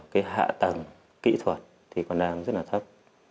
cái hạ tầng kỹ thuật thì còn đang rất là thấp